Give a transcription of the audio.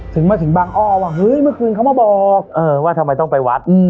มาถึงบางอ้อว่าเฮ้ยเมื่อคืนเขามาบอกว่าทำไมต้องไปวัด